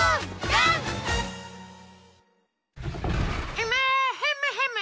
ヘムヘムヘム。